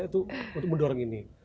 itu untuk mendorong ini